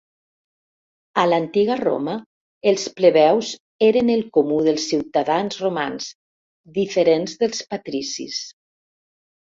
A l'antiga Roma, els plebeus eren el comú dels ciutadans romans, diferents dels patricis.